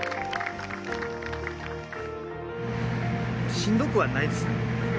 しんどくはないですね。